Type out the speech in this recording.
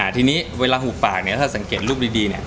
ทีนี้เวลาหูปากเนี่ยถ้าสังเกตรูปดีเนี่ย